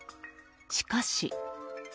しかし。